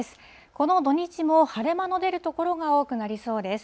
この土日も晴れ間の出る所が多くなりそうです。